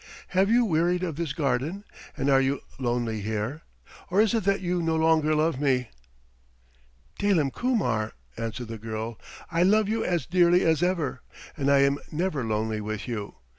Have you wearied of this garden, and are you lonely here; or is it that you no longer love me?" "Dalim Kumar," answered the girl, "I love you as dearly as ever, and I am never lonely with you.